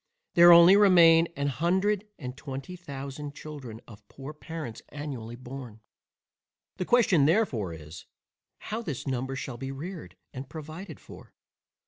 There only remain a hundred and twenty thousand children of poor parents annually born. The question therefore is, How this number shall be reared and provided for?